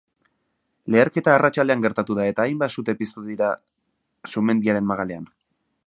Leherketa arratsaldean gertatu da, eta hainbat sute piztu dira sumendiaren magalean.